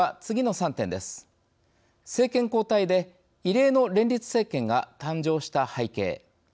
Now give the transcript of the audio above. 政権交代で異例の連立政権が誕生した背景。